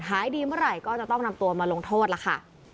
หายดีเมื่อไหร่ก็จะต้องนำตัวมาลงโทษล่ะค่ะ